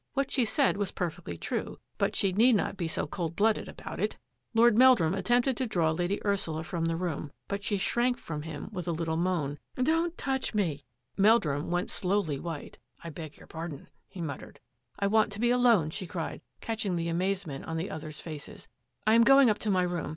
What she said was perfectly true, but she need not be so cold blooded about it. Lord Meldrum attempted to draw Lady Ursula from the room, but she shrank from him with a lit tle moan. " Don't touch me !" THE NORTH WING 49 Meldrum went slowly white. " I beg your par don," he muttered. " I want to be alone !" she cried, catching the amazement on the others' faces. " I am going up to my room.